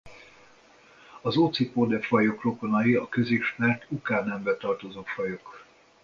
Az Ocypode-fajok rokonai a közismert Uca nembe tartozó fajok.